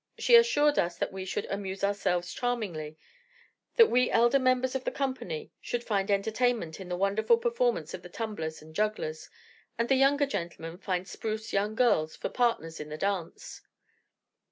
She assured us that we should "amuse ourselves charmingly;" that we elder members of the company should find entertainment in the wonderful performances of the tumblers and jugglers, and the younger gentlemen find spruce young girls for partners in the dance.